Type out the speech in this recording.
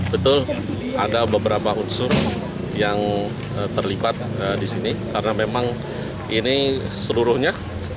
betul ada beberapa unsur yang terlibat di sini karena memang ini seluruhnya